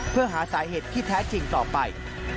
เพื่อหาสาเหตุที่แท้จริงต่อไป